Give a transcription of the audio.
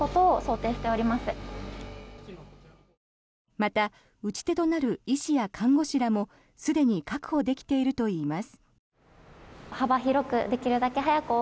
また打ち手となる医師や看護師らもすでに確保できているといいます。